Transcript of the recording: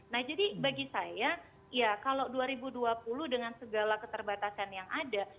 nah jadi bagi saya ya kalau dua ribu dua puluh dengan segala keterbatasan yang ada